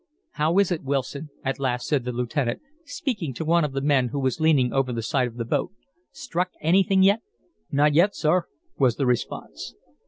"How is it, Wilson?" at last said the lieutenant, speaking to one of the men who was leaning over the side of the boat. "Struck anything yet?" "Not yet, sir," was the response.